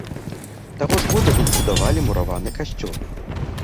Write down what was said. Таго ж года тут збудавалі мураваны касцёл.